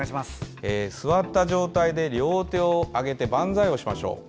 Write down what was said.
座った状態で両手を上げてバンザイをしましょう。